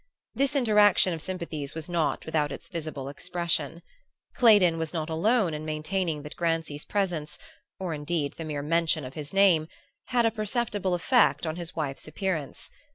This interaction of sympathies was not without its visible expression. Claydon was not alone in maintaining that Grancy's presence or indeed the mere mention of his name had a perceptible effect on his wife's appearance.